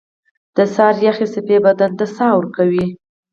• د سهار یخې څپې بدن ته ساه ورکوي.